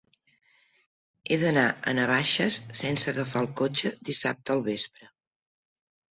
He d'anar a Navaixes sense agafar el cotxe dissabte al vespre.